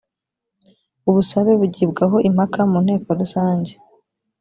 ubusabe bugibwaho impaka mu nteko rusange